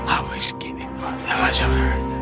aku selalu menggigit